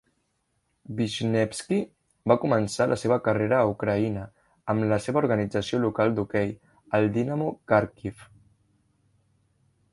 Vichnevski va començar la seva carrera a Ucraïna amb la seva organització local d'hoquei, el Dinamo Kharkiv.